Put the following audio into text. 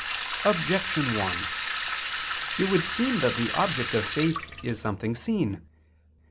Objection 1: It would seem that the object of faith is something seen.